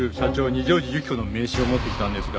二条路雪子の名刺を持っていたんですが。